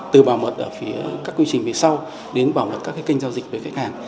từ bảo mật ở phía các quy trình về sau đến bảo mật các kênh giao dịch với khách hàng